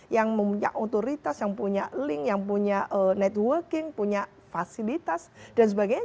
yang punya otoritas yang punya link yang punya networking punya fasilitas dan sebagainya